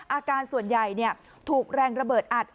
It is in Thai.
อาการส่วนใหญ่ถูกแรงระเบิดอัด